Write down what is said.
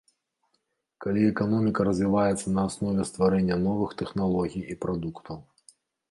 Калі эканоміка развіваецца на аснове стварэння новых тэхналогій і прадуктаў.